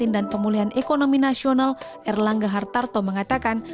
dan pemulihan ekonomi nasional erlangga hartarto mengatakan